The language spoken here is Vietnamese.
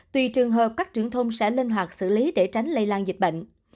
tùy trường hợp các trưởng thôn sẽ lên hoạt xử lý để tránh lây lan dịch bệnh